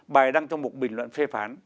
bài đăng trong một bình luận phê phán